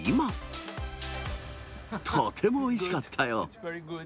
とてもおいしかったよ。